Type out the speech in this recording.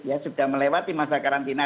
ya sudah melewati masa karantina